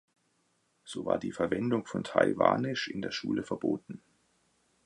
So war die Verwendung von Taiwanisch in der Schule verboten.